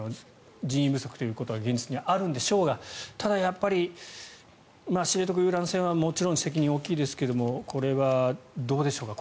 人員不足ということは現実にあるんでしょうがただやっぱり、知床遊覧船はもちろん責任が大きいですがこれはどうでしょうか。